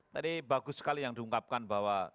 tadi bagus sekali yang diungkapkan bahwa